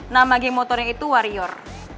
nama geng motornya itu warrior